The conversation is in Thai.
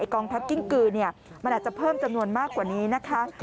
กองทัพกิ้งกือมันอาจจะเพิ่มจำนวนมากกว่านี้นะคะ